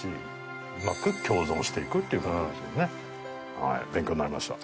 はい勉強になりました。